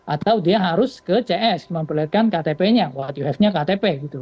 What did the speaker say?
atau dia harus ke cs memperlihatkan ktp nya what you have nya ktp